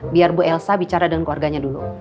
biar bu elsa bicara dengan keluarganya dulu